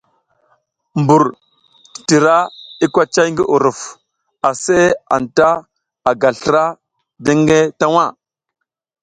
Mbur titira i kocay ngi uruf, aseʼe anta ta ga slra jenge ta waʼa.